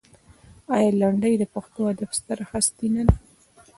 آیا لنډۍ د پښتو ادب ستره هستي نه ده؟